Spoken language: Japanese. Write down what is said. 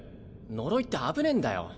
呪いって危ねぇんだよ。